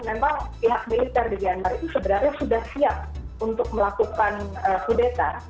memang pihak militer di myanmar itu sebenarnya sudah siap untuk melakukan kudeta